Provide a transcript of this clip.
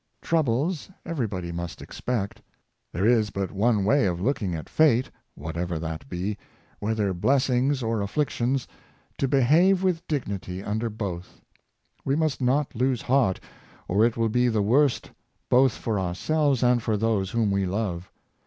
' Troubles' every body must expect. There is but one way of looking at fate — whatever that be, whether blessings or afflictions — to behave with dignity under both. We must not lose heart, or it will be the worse both for ourselves and for those whom we love.